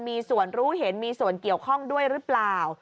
มีส่วนรู้เห็นมีส่วนเกี่ยวข้องด้วยหรือเปล่า